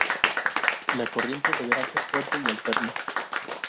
La corriente deberá ser fuerte y alterna.